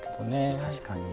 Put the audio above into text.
確かに。